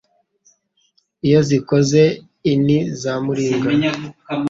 Iyo zikoze inti za Muringa